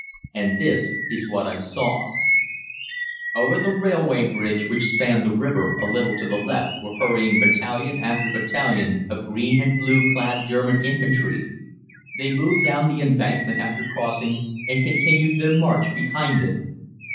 And this is what I saw: "Over the railway bridge which spanned the river a little to the left were hurrying battalion after battalion of green and blue clad German infantry. They moved down the embankment after crossing, and continued their march behind it.